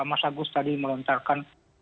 mas agus tadi melontarkan